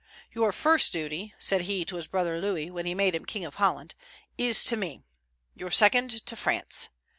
"Your first duty," said he to his brother Louis, when he made him king of Holland, "is to me; your second, to France."